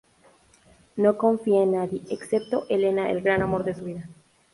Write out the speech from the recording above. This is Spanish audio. No confía en nadie, excepto Elena, el gran amor de su vida.